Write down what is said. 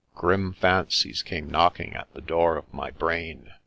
Grim fancies came knocking at the door of my brain.